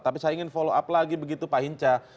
tapi saya ingin follow up lagi begitu pak hinca